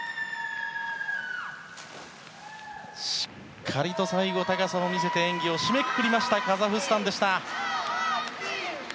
しっかりと最後、高さを見せて演技を締めくくりましたカザフスタンでした。